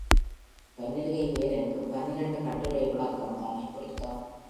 பன்னிருகை வேலனுக்குப் பன்னிரண்டு கட்டுரை விளக்கம் தானே பொருத்தம்?